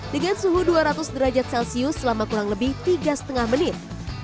dengan suhu dua ratus derajat celcius selama kurang lebih tiga lima menit